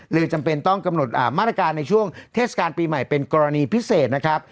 จำเป็นต้องกำหนดมาตรการในช่วงเทศกาลปีใหม่เป็นกรณีพิเศษนะครับ